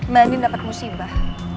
mbak ending dapet musibah